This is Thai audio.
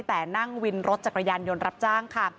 แต่นั่งวินรถจักรยานยนต์รับจ้างค่ะ